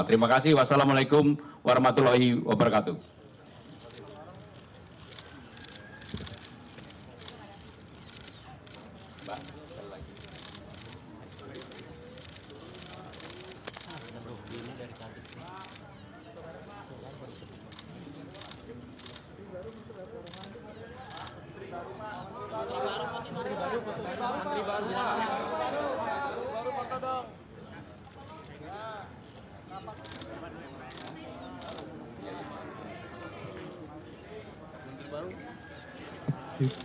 terima kasih wassalamu'alaikum warahmatullahi wabarakatuh